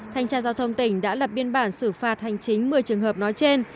thanh tra giao thông tỉnh đã lập biên bản xử phạt hành chính một mươi trường hợp nói trên